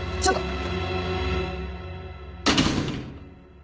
ちょっと！